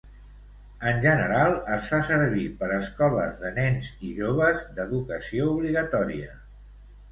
En general, es fa servir per escoles de nens i joves d'educació obligatòria.